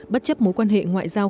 bất chấp mối quan hệ ngoại giao